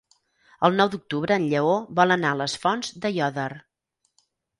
El nou d'octubre en Lleó vol anar a les Fonts d'Aiòder.